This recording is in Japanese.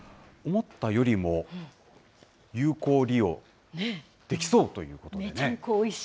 思ったよりも有効利用できそうということでね。